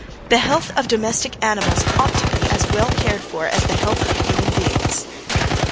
The health of domestic animals ought to be as well cared for as the health of human beings."